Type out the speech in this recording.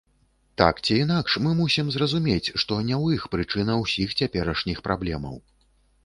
Так ці інакш, мы мусім зразумець, што не ў іх прычына ўсіх цяперашніх праблемаў.